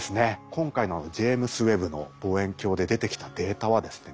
今回のあのジェイムズ・ウェッブの望遠鏡で出てきたデータはですね